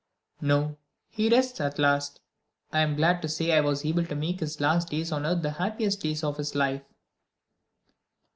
"No; he rests at last. I am glad to say I was able to make his last days on earth the happiest days of his life."